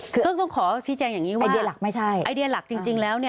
ก็ต้องขอชิคกี้พายอย่างนี้ว่าไอเดียหลักจริงแล้ว